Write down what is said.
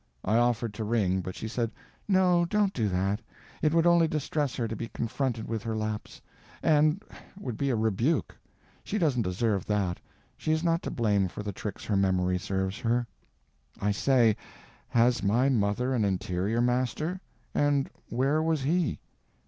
I offered to ring, but she said, "No, don't do that; it would only distress her to be confronted with her lapse, and would be a rebuke; she doesn't deserve that—she is not to blame for the tricks her memory serves her." I say—has my mother an Interior Master?—and where was he?